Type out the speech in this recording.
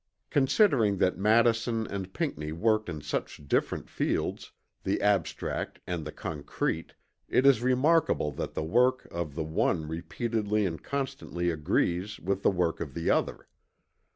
Considering that Madison and Pinckney worked in such different fields, the abstract and the concrete, it is remarkable that the work of the one repeatedly and constantly agrees with the work of the other.